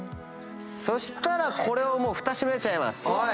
そしたらこれをもうふた閉めちゃいます。